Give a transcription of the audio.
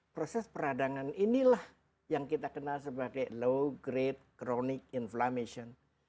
proses peradangan inilah yang kita kenal sebagai low grade cronic inflammation